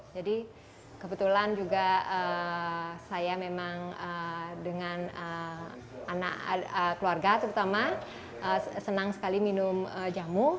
jadi kebetulan juga saya memang dengan anak keluarga terutama senang sekali minum jamu